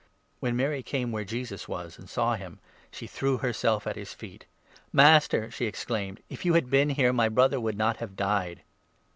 When Mary came 32 where Jesus was and saw him, she threw herself at his feet. "Master," she exclaimed, "if you had been here, my .brother would not have died